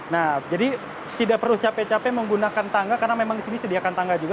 nah jadi tidak perlu capek capek menggunakan tangga karena memang di sini sediakan tangga juga